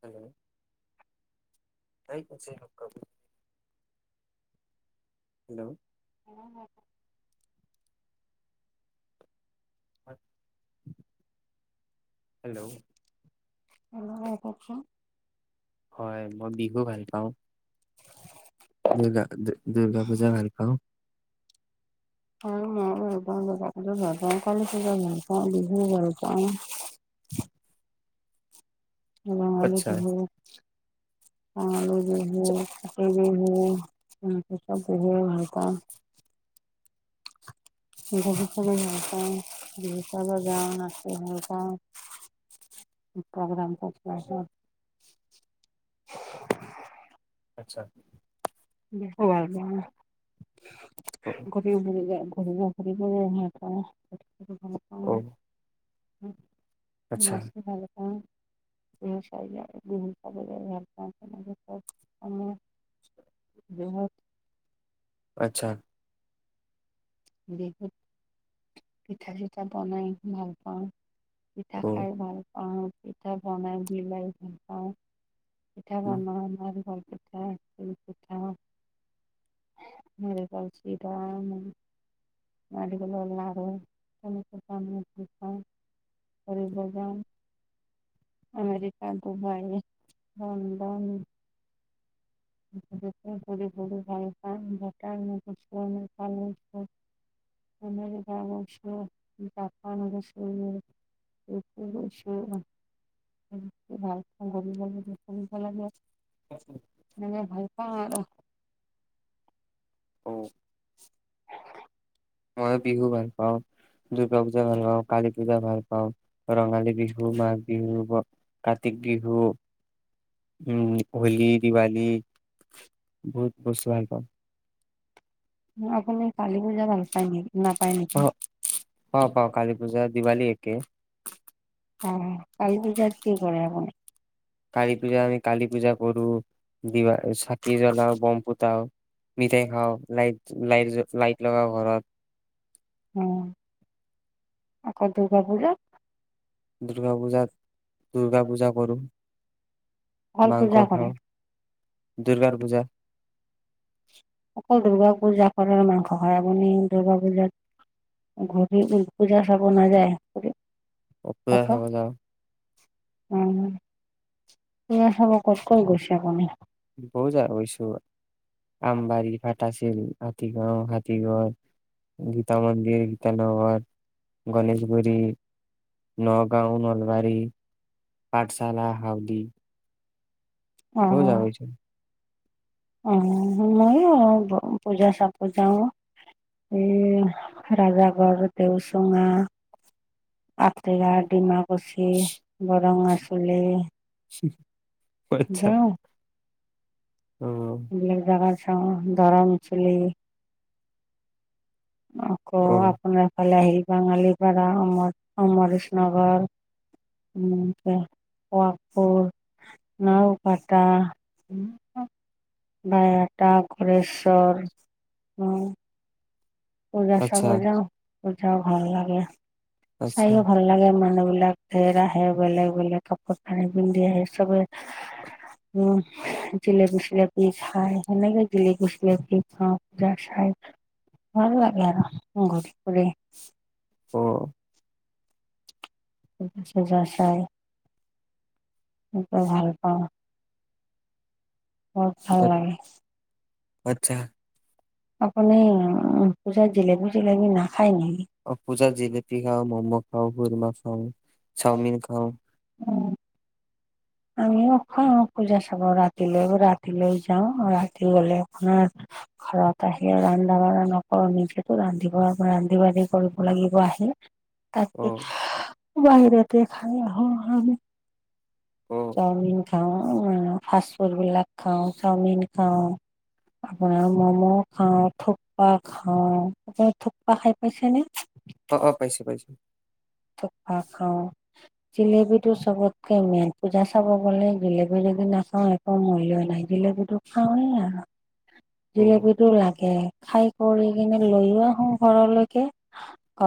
Hello বুজি পোৱা নাই ভইচতো ভাল কে হেল্ল' উম হ হয় হেল্ল' অ কচোন হয় মই বিহু ভাল পাওঁ দুৰ্গা দুৰ্গা পূজা ভাল পাওঁ [unintelligible] ৰঙিলী আচ্ছা বিহুত [unintelligible] [unintelligible] আচ্ছা বাল ব [unintelligible] ঘতি ঘৰি যায় বুজি পোৱা নাই ভইচতো অ উম আচ্ছা মাছটো ভাল পাওঁ চাই খাব [unintelligible] বহুত আচ্ছা বিহুত। পিঠা চিঠা বনাই ভাল পাওঁ। পিঠা অ খাই ভাল অ। পিঠা বনাই বিলাই ভাল পাওঁ পিঠা বনাই ইমান ভাল পাওঁ তিল পিঠা নাৰিকলৰ লাৰু [unintelligible] িকান আফ্ৰিক হবাজান আমেৰিকা ডুবাই লণ্ডন [unintelligible] ভাল প ভাল ভালছছ ভাল খ গাল ভাল [inaudible] মই ভাল পাওঁ আৰু অ মই বিহু ভাল পাওঁ দুৰ্গা পূজা ভাল তাৰ পিছত ভইচতো বুজি পোৱা নাই কিবা ভাল পাওঁ ৰঙালী বিহু মাঘ বিহু কাতি বিহু উম হোলী দীৱালি বহুত। [unintelligible] আপুনি কালী পূজা ভাল পায় নে? অ পা পাওঁ কালি পূজা দিৱালী একে। আহ কালী পূজাত কি কৰে আপোনী। কালী পূজা আমি কালী পূজা কৰো। দিৱালী চাকি জ্বলাও বম পোতাও মিঠাই খাওঁ লাইট লাইট জ লাইট লগাও ঘৰত। অ' আকৌ দুৰ্গা পূজা। দুৰ্গা পূজাত দুৰ্গা পূজা কৰোঁ। অকল মাংস পূজা খাওঁ কৰে। দুৰ্গাৰ পূজা। অকল দুূৰ্গা পূজা কৰাৰ মাংস হৰাবনি দূৰ্গা পূজাত ঘূৰি পূজা চাব নাযায়। অকৰা খাব যাওঁ। উ ত চাব ক'ত কত গৈছি আপনি আম বাৰী ভটাচ। হাতীগাঁও হাতীগ় গীতা মন্দিৰ গীতানগৰ গণেশগুৰি নগাঁও নলবাৰী। পাঠশালা হাৱ দি। হৈ যাব হৈছে আহ ময়ো পূজা চাপো যাও এ ৰাজাগড় দেওচুঙা আগতা ডিমাকুচি বৰঙা চুলি। [unintelligible] আচ্ছা যাওঁ অ বিলাক জাগা ধৰম চুলি। অ ক আপোনাৰফালে আহি। বাঙালীপাৰা অমৰ অমৰশ ন, গৰোৱপুৰ নাওপটা, বায়হটা, ঘৰেশ্বৰ পূজা চাব আচ্ছা যাওঁ। পূজাও ভাল লাগে। আচ্ছা চাইও ভাল লাগে মানৱক। সেইবিলাক ধেই আহে বেলেগ বেলেগ কাপোৰ কানি পিন্ধি আহে চবেই জেলেপি চেলপি খায় সেনেকে জেলেপি চিলপি খাওঁ পূজা চায়। ভাল লাগে আৰু ঘৰি ফুৰে অ চজা চাই সকে ভাল পাওঁ। বহুত ভাল লাগে আচ্ছা। আপানে পূজা জিলপি জিলবি না অ পূজা জিলেপি খাওঁ ম'ম খাওঁ কৰিবা চাওঁ। চাওমিন খাওঁ আমি অখ পূজা চাব ৰাতিলৈ-ৰাতিলৈও যাওঁ। ৰাতি গলে আপোনাৰ ঘৰত আহি ৰান্ধা-বাঢ়া নকৰো। নিজেতো ৰান্ধিব। ৰান্ধি-বাঢ়ি কৰিব লাগিব আহি। অ তাকে। বাহিৰতে খাই আহোঁ আমি। অ চাওমিন- খাওঁ ফাষ্ট-ফুড বিলাক খাওঁ। চাওমিন খাওঁ। আপোনাৰ মম' খাওঁ। থুপ্পা খাওঁ। আপুনি থুপ্পা খাই পাইছে নে? অ -অ। পাইছো। পাইছো। -প্পা খাওঁ। জিলেপীটো চবতকে মেইন পূজা চাব গলে জিলপি যদি নাখাওঁ একো মূল্যই নাই। জিলেপীটো খাওঁৱেই আৰু। অ জিলপীটো লাগে। খাই কৰি কিনে লৈও আহো ঘৰলৈকে।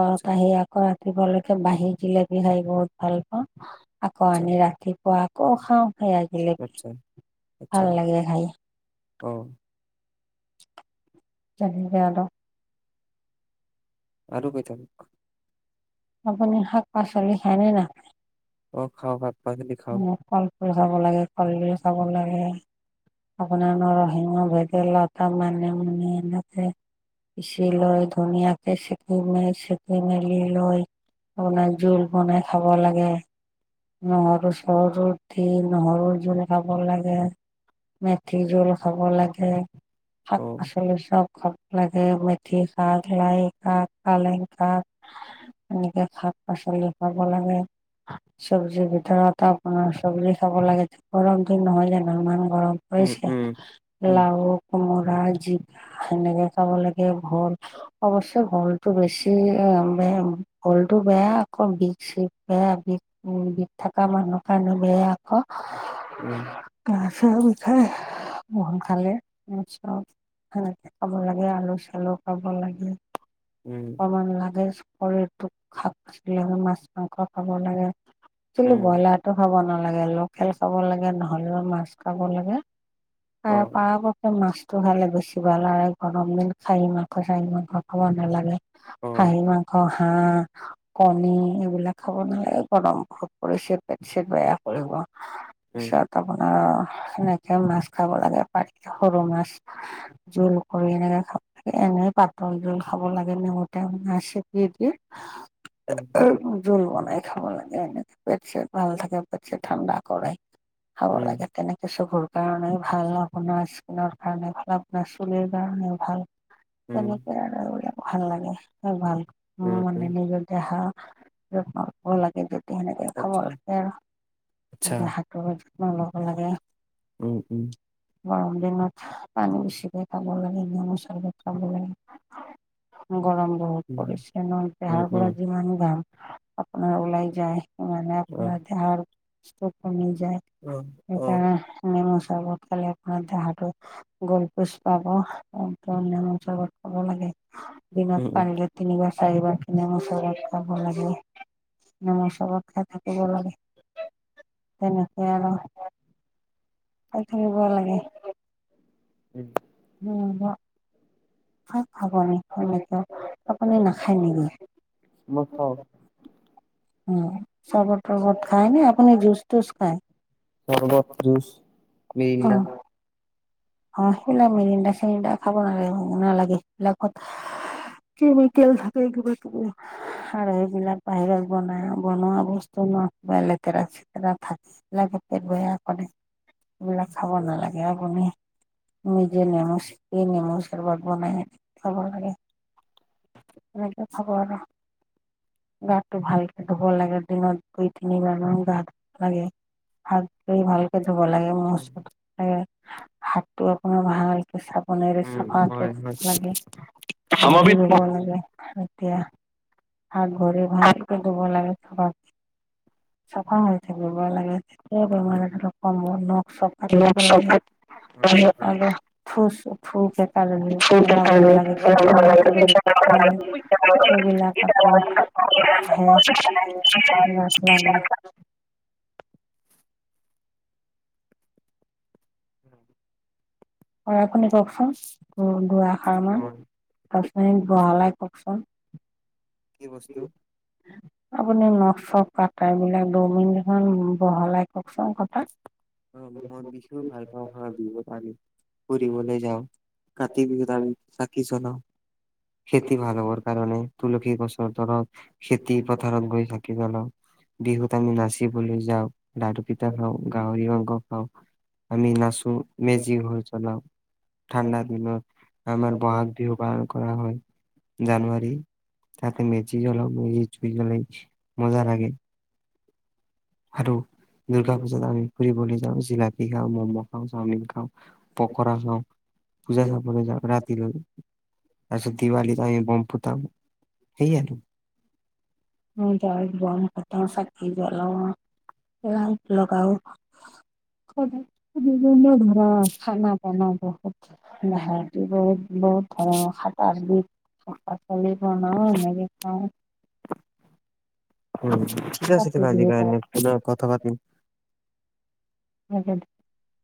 আচ্ছা আহি আগত দিবা লা বাহিকিলে বি- হয় বহুত ভাল পাওঁ। আকৌ আচ্ছা আনি ৰাতিপুৱা অ খাওঁ। আচ্ছা [unintelligible] আচ্ছা ভাল লাগে খাই। অ [unintelligible] আৰু পাই থাক। আপুনি শাক-পাচলি খায়নে নাখায়? অ খাওঁ ভাত। উম কলফুল খাব লাগে, কলডিল খাব লাগে। আপোনাৰ নৰসিংহ, ভেদেলতা, মানিমুনি এনেকে পিচি লৈ ধুনীয়াকে চেকি মেলি- চেকি মেলি লৈ আপোনাৰ জোল বনাই খাব লাগে। নহৰু- চহৰু দি নহৰু জোল খাব লাগে। মেথি জোল খাব লাগে। অ শাক-আক চব। খাব লাগে। মেথি শাক, লাই শাক, পালেং শাক এনেকে শাক পাচলি খাব লাগে। চব্জিৰ ভিতৰত আপোনাৰ চবেই খাব লাগে। গৰম দিন নহয় জানো, মানুহ গৰম উম পৰিছে। উম উম লাও, কোমোৰা জিকা হেনেকে খাব লাগে। ভল অৱশ্যে ভলটো বেছি আ ভলটো বেয়া আকৌ। বিষ- চিষ বেয়া বিষ- উ বিষ থকা মানুহৰ কাৰণে বেয়া আকৌ। উম উ গা বিষাই। খাই [unintelligible] চব সেনেকে খাব লাগে আলু চালু খাব লাগে উম অকমান লাগে। শৰীৰটোক শাক পাচলি লাগে। মাছ-মাংস খাব লাগে। একচুৱেলি উম ব্ৰইলাৰটো খাব নালাগে। লোকেল খাব লাগে নহ'লেবা মাছ খাব লাগে। অ আৰু পৰাপক্ষত মাছ টো খালে বেছি ভাল হয়। গৰম দিন খাহী মাংস চাহী মাংস খাব নালাগে। অ খাহী মাংস, হাঁহ, কণী এইবিলাক খাব নালাগে। গৰম অচিত পেঞ্চিত বেয়া কৰিব। উম তছত আপোনাৰ সেনেকে মাছ খাব লাগে পাৰি সৰু মাছ জোল কৰি এনেকে খাব লাগে এনে পাতল জোল খাব লাগে নেওতে মাছ চেপ দি উম জোল বনাই খাব লাগে। উ পেটচেট ভাল থাকে পেটচেট ঠাণ্ডা কৰে। খাব উম লাগে তেনেকে চকুৰ কাৰণে ভাল আপোনাৰ স্কিনৰ কাৰণে ভাল, আপোনাৰ চুলিৰ কাৰণে ভাল। উম তেনেক আৰু ভাল লাগে আৰু ভাল অ, উম মানে উম নিজৰ দেহা ভাল লাগে। সেনেকে খাব আচ্ছা লাগে আচ্ছা আৰু হাতৰ যত্ন লব লাগে উম উম গৰম দিনত। পানী বেছিকে খাব লাগে, নিমু চৰ্বত খাব লাগে। গৰম বহুত উম পৰিছে ন উম পহাৰ গ উম যিমান দাম আপোনাৰ ওলাই যায়। মানে ক অ য আৰু [inaudible] অ অ সেইকাৰণ উসত খালে আপোনাৰ দেহা গোলপোচ পাবৎ চত খাব লাগে। দিনত উম উম পানৰে তিনিবা [unintelligible] কিনে মছলা। চাব লাগে আমাৰ চবত [unintelligible] থাকিব লাগে তেনেকে আৰু ত থাক ভ লাগে উম। খাব ন এনেকে আপনি নাখায় নেকি? মই খাও। উ চবত ৰবত খায় ন আপুনি জুচ তটুচ খায়? চৰ্বত যুজ অ মৰিণ্ডা। অ' সেইবিলাক [unintelligible] খাব নালাগে হব নালাগেিলাকত কেমিকেল থাকে কিবা কিবি আৰু সেইবিলাক বাহিৰত বনাই বনোৱা বস্তু ন কিবা লেতেৰা চেতেৰা থাকে সবিলাক ব সবিলাক খাব নালাগে আপুনি নিজে নেমু শিপি নেমুচবাত বনাই খাব লাগে এনেকে খাব আৰু গাটো ভালকে ধুব লাগে দিনত দুই তিনি বান গা ধুব লাগে হাত ধুই ভালকে ধুব লাগে ম লাগে টো আপোনাৰ ভালকে চাব। বনেৰে উম, চফা হয়, হয়। লাগে ঘঁৰি দিব লাগে। এতিয়া [unintelligible] হাত-ভৰি ভালকে ধুব লাগে। হয়, চফা হৈ থাকিব লাগে। [inaudible] [inaudible] চব কাটিব লাগে। আৰু থো চো ফু লেতেৰাবোৰ পেলাব নালাগে। কিছুমান [unintelligible] মই কি [unintelligible] সেইবিলাক আকৌ আহে। [unintelligible] [unintelligible] লাগে। [inaudible] অ আপুনি ককচোন দুআষাৰ মান। [unintelligible] গহলাই কওঁকচোন। কি বস্তু? আপুনি নখ চখ কটা এইবিলাক ডমিন এখন বহলা অ', মই বিহু ভাল পাওঁ হা, বিহুত আমি ফুৰিবলৈ যাওঁ কাতি বিহুত আমি চাকি জনাও। খেতি ভাল হ'বৰ কাৰণে তুলসী গছৰ দৰৱ খেতি পথাৰত গৈ চাকি জলাওঁ। বিহুত আমি নাচিবলৈ যাওঁ। দায়টোপিত অহ কওক আমি নাচো, মেজি ঘৰ জ্বলাও, ঠাণ্ডা দিনত আমাৰ বহাগ বিহু পালন কৰা হয়। জানুৱাৰী, তাতে মেজি জ্বলা মেজি [unintelligible] মজা লাগে। হেইটো দূৰ্গা পূজাত আমি ফুৰিবলৈ যাওঁ জিলাত। [inaudible] খাওঁ, ম'ম খাওঁ, চাওমিন খাওঁ। পকৰা খাওঁ, পূজা চাবলৈ যাওঁ ৰাতিলৈ। তাৰপিছত দিৱালীত আমি বমফুট তাম, সেইয়াটো। উম, তাত বম ফটাও, চাকি জ্বলাও, লাইট লগাও। [inaudible] তুমৰা খানা এনে বহুত [unintelligible] বহুত ধৰণৰ সাত-আঠবিধ শাক পাচলি। ভ ন [unintelligible] এনেকছা কাতি বিহুত [unintelligible] [unintelligible]